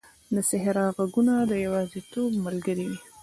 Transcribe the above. د صحرا ږغونه د یوازیتوب ملګري وي.